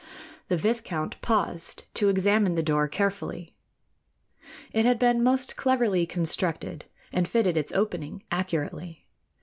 The viscount paused to examine the door carefully. It had been most cleverly constructed, and fitted its opening accurately.